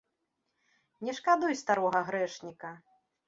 Не шкадуй старога грэшніка!